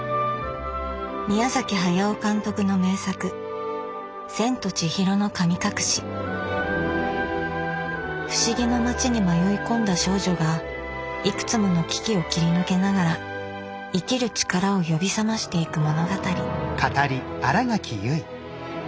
宮駿監督の名作不思議の町に迷い込んだ少女がいくつもの危機を切り抜けながら「生きる力」を呼び覚ましていく物語。